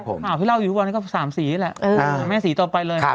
คราวที่เราอยู่กว่านี่ก็๓สีนี้แหละ